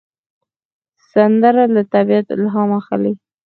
سندره له طبیعت الهام اخلي